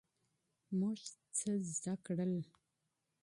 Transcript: موږ څه زده کړل؟